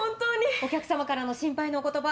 お客様からの心配のお言葉